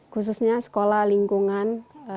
khususnya sekolah lingkungan